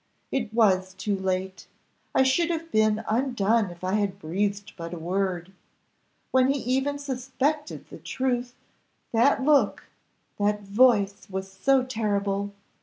It was too late, I should have been undone if I had breathed but a word. When he even suspected the truth! that look that voice was so terrible.